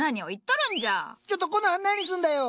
ちょっとコノハ何すんだよ！